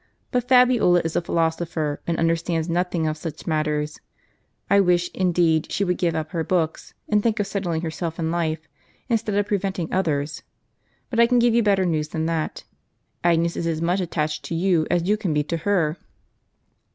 But Fabiola is a philosopher, and understands nothing of such matters. I wish, indeed, she would give uj^ her books, and think of settling herself in life, instead of preventing others. But I can give you better news than that ; Agnes is as much attached to you as you can be to her."